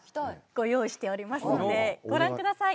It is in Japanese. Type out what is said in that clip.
ご用意しておりますのでご覧ください